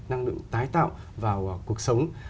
năng lượng tái tạo vào cuộc sống